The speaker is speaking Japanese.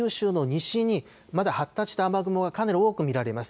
またこの九州の西にまだ発達した雨雲がかなり多く見られます。